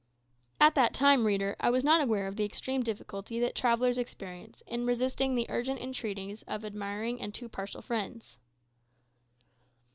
At that time, reader, I was not aware of the extreme difficulty that travellers experience in resisting the urgent entreaties of admiring and too partial friends!